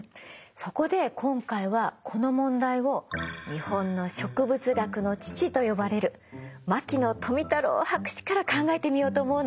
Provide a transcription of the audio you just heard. そこで今回はこの問題を日本の植物学の父と呼ばれる牧野富太郎博士から考えてみようと思うの。